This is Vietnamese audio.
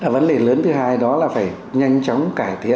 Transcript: vấn đề lớn thứ hai đó là phải nhanh chóng cải thiện